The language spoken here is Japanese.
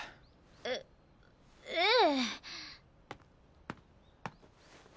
えっええ。